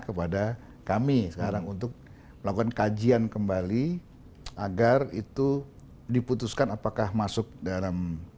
kepada kami sekarang untuk melakukan kajian kembali agar itu diputuskan apakah masuk dalam